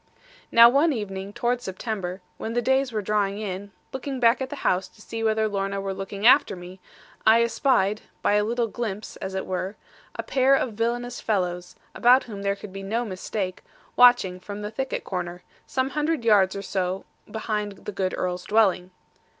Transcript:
Now one evening towards September, when the days were drawing in, looking back at the house to see whether Lorna were looking after me, I espied (by a little glimpse, as it were) a pair of villainous fellows (about whom there could be no mistake) watching from the thicket corner, some hundred yards or so behind the good Earl's dwelling.